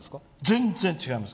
全然違います。